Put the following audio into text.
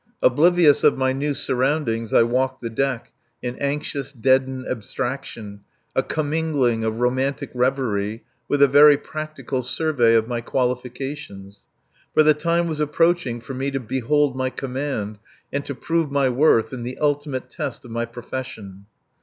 Oblivious of my new surroundings I walked the deck, in anxious, deadened abstraction, a commingling of romantic reverie with a very practical survey of my qualifications. For the time was approaching for me to behold my command and to prove my worth in the ultimate test of my profession.